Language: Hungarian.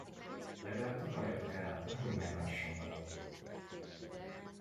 Legalább takarjatok el, nehogy meglásson valaki!